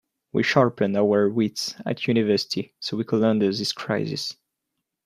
We sharpened our wits at university so we could handle this crisis.